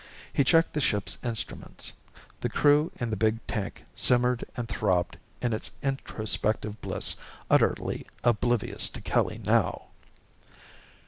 He checked the ship's instruments. The Crew in the big tank simmered and throbbed in its introspective bliss, utterly oblivious to Kelly now.